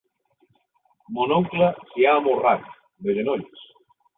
Mon oncle s'hi ha amorrat, de genolls.